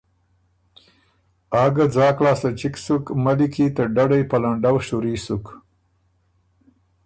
آ ګۀ ځاک لاسته چِګ سُک، ملّی کی ته ډَډئ په لنډؤ شوري سُک۔